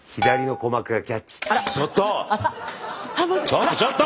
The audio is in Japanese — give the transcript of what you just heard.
ちょっとちょっと！